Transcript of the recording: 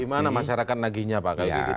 bagaimana masyarakat menagihnya pak